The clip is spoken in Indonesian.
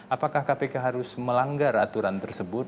apakah kpk harus melanggar aturan tersebut